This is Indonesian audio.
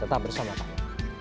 tetap bersama kami